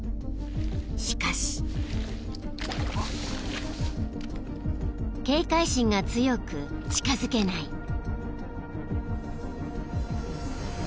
［しかし］［警戒心が強く近づけない］